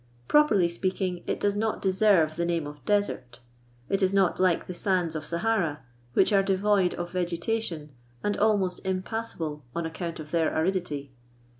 Properly speaking, it does not deserve the name of desert. It is not like the sands of Sahara, which are devoid of vegetation, and almost impassable on account of their aridity.